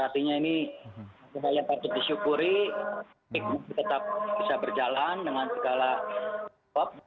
artinya ini semuanya harus disyukuri tetap bisa berjalan dengan segala kesempatan